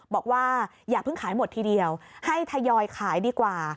บอกว่าอย่าเพิ่งขายหมดทีเดียวให้ทยอยขายดีกว่า